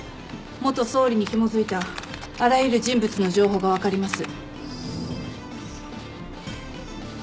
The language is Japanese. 元総理にひも付いたあらゆる人物の情報が分かります。